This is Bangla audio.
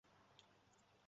টেসা, কি--?